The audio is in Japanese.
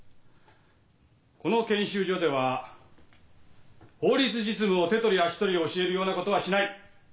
この研修所では法律実務を手取り足取り教えるようなことはしない。